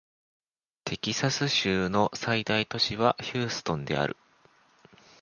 テキサス州の最大都市はヒューストンである